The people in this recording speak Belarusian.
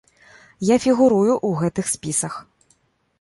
Я фігурую ў гэтых спісах.